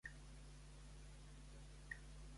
S'hi presentà finalment en Puigrafegut?